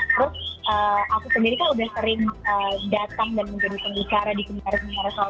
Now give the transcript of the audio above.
terus aku sendiri kan udah sering datang dan menjadi pembicara di seminar semarah soal